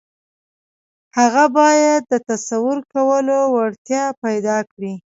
هغه بايد د تصور کولو وړتيا پيدا کړي.